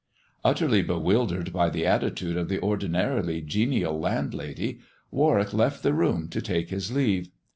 Utterly bewildered by the attitude of the ordinarily genial landlady, Warwick left the room to take his leave.